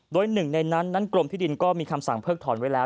โดยหนึ่งในนั้นนั้นกรมที่ดินก็มีคำสั่งเพิกถอนไว้แล้ว